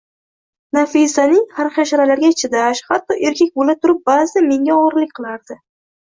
Nafisaning harhashalariga chidash, hatto, erkak bo`la turib ba`zida menga og`irlik qilardi